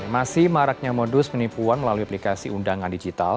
masih maraknya modus penipuan melalui aplikasi undangan digital